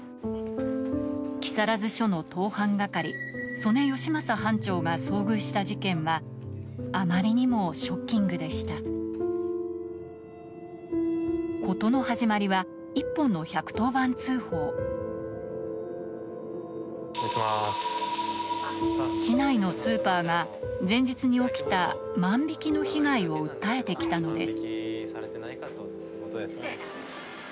木更津署の盗犯係曽根芳政班長が遭遇した事件はあまりにもショッキングでした事の始まりは１本の１１０番通報市内のスーパーが前日に起きた万引きの被害を訴えて来たのです